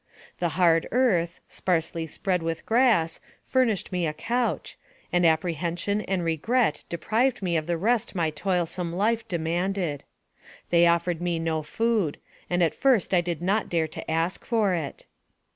The hard earth, sparsely spread with grass, furnished me a couch, and apprehension and regret deprived me of the rest my toilsome life demanded. They offered me no food, and at first I did not dare to ask for it.